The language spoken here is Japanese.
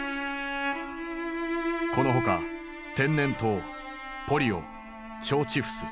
この他天然痘ポリオ腸チフス。